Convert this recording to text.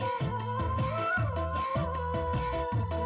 apa yang kag melambung d vendana secrets